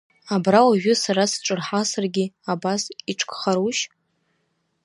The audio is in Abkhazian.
Абра уажәы сара сҿырҳасыргьы абас иҿкхарушь?!